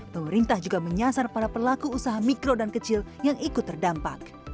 pemerintah juga menyasar para pelaku usaha mikro dan kecil yang ikut terdampak